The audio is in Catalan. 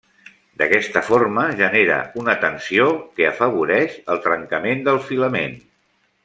D'aquesta forma genera una tensió que afavoreix el trencament del filament.